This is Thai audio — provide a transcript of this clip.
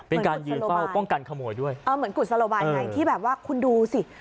เป็นการยืนเฝ้าป้องกันขโมยด้วยเออเหมือนกุศโลบายไงที่แบบว่าคุณดูสิ